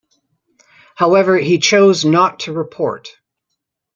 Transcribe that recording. However, he chose not to report.